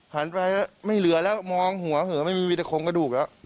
หันไปไม่เหลือแล้วมองหัวเหอะไม่มีมีแต่โครงกระดูกแล้ว